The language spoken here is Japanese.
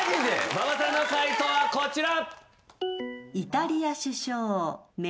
馬場さんの解答はこちら。